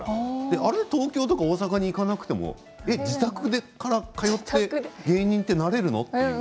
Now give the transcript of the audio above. あれ東京とか大阪に行かなくても自宅で通って芸人ってなれるの？って。